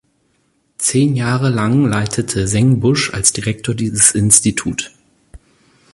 Zehn Jahre lang leitete Sengbusch als Direktor dieses Institut.